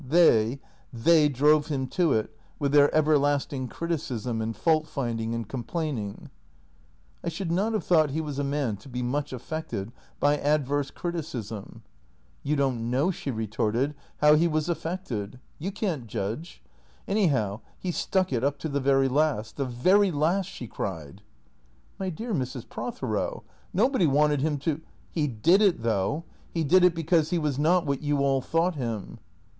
They — they drove him to it with their everlasting criticism and fault finding and com plaining." " I should not have thought he was a man to be much affected by adverse criticism." " You don't know," she retorted, " how he was affected. You THE CREATORS 513 can't judge. Anyhow, he stuck to it up to the very last — the very last," she cried. " My dear Mrs. Prothero, nobody wanted him to "" He did it, though. He did it because he was not what you all thought him."